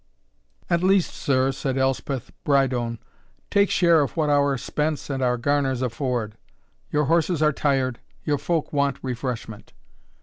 "At least, sir," said Elspeth Brydone, "take share of what our spence and our garners afford. Your horses are tired your folk want refreshment."